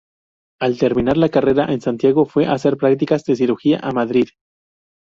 Al terminar la carrera en Santiago fue a hacer prácticas de cirugía a Madrid.